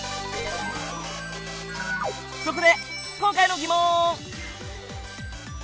そこで今回の疑問！